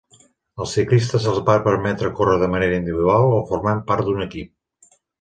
Als ciclistes se'ls va permetre córrer de manera individual o formant part d'un equip.